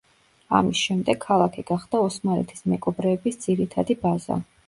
ამის შემდეგ ქალაქი გახდა ოსმალეთის მეკობრეების ძირითადი ბაზა.